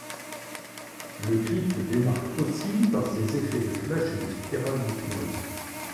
Le clip se démarque aussi par ses effets de flash et de spirales d'hypnose.